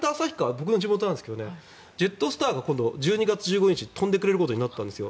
僕の地元なんですけどジェットスターが今度、１２月１５日に飛んでくれることになったんです。